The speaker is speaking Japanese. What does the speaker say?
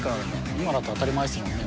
今だったら当たり前ですもんね。